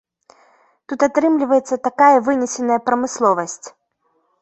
Тут атрымліваецца такая вынесеная прамысловасць.